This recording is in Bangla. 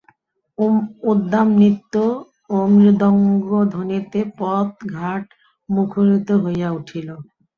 উদ্দাম নৃত্য ও মৃদঙ্গধ্বনিতে পথ-ঘাট মুখরিত হইয়া উঠিল।